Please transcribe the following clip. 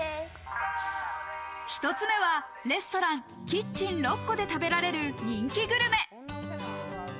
１つ目はレストラン・キッチンロッコで食べられる人気グルメ。